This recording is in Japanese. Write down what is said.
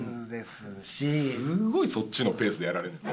すごいそっちのペースでやられんねんな。